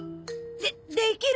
でできるさ！